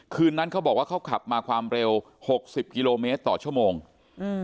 คืนนั้นเขาบอกว่าเขาขับมาความเร็วหกสิบกิโลเมตรต่อชั่วโมงอืม